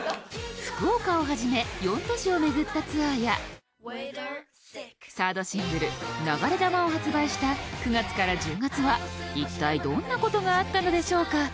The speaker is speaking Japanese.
福岡をはじめ４都市を巡ったツアーやサードシングル『流れ弾』を発売した９月から１０月はいったいどんなことがあったのでしょうか？